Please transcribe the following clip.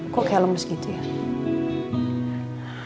kok kayak lemes gitu ya